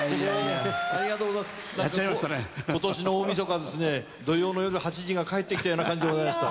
今年の大みそかですね土曜の夜８時が帰ってきたような感じでございました。